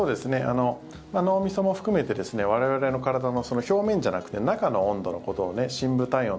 脳みそも含めて我々の体の表面じゃなくて中の温度のことを深部体温？